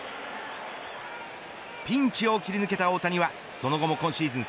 ピンチを切り抜けた大谷はその後も今シーズン